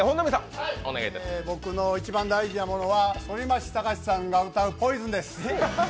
僕の一番大事なものは反町隆史さんが歌う「ＰＯＩＳＯＮ」です。